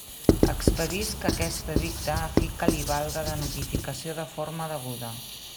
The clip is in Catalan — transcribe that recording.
Expedisc aquest edicte a fi que li valga de notificació de forma deguda.